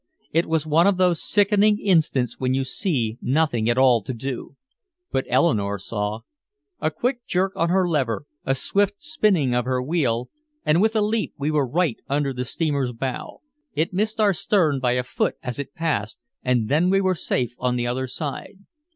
It was one of those sickening instants when you see nothing at all to do. But Eleanore saw. A quick jerk on her lever, a swift spinning of her wheel, and with a leap we were right under the steamer's bow. It missed our stern by a foot as it passed and then we were safe on the other side.